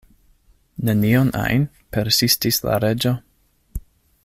"Nenion ajn?" persistis la Reĝo.